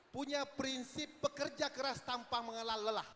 punya prinsip pekerja keras tanpa mengalah lelah